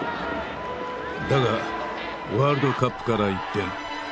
だがワールドカップから一転。